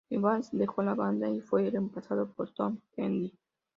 Evans dejó la banda y fue reemplazado por Tom Kennedy.